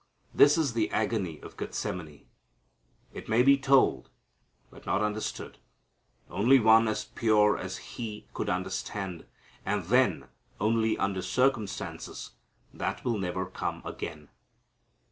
This is the agony of Gethsemane. It may be told, but not understood. Only one as pure as He could understand, and then only under circumstances that never will come again.